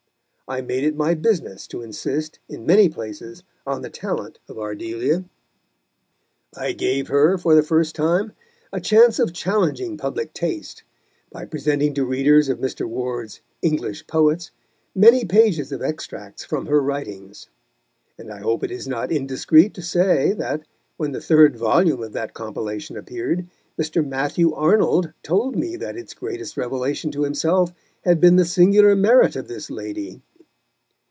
I made it my business to insist in many places on the talent of Ardelia. I gave her, for the first time, a chance of challenging public taste, by presenting to readers of Mr. Ward's English Poets many pages of extracts from her writings; and I hope it is not indiscreet to say that, when the third volume of that compilation appeared, Mr. Matthew Arnold told me that its greatest revelation to himself had been the singular merit of this lady.